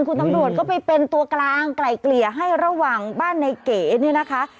คุณตำรวจก็ไปเป็นตัวกลางไกล่เกลี่ยให้ระหว่างบ้านในเก๋เนี่ยนะคะ